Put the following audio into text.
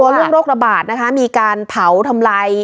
เรื่องโรคระบาดนะคะมีการเผาทำลาย